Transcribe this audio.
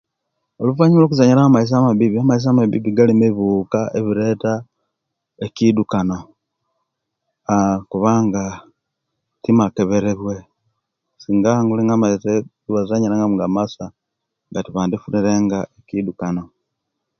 Oluvanyuma luwo kuzanyira omaizi amabibi amaizi galimu ebibuka ebireta ekidukano kubanga timakeberebwe singa nga amaizi egibazanyiramu masa tibandifunire nga ekidukano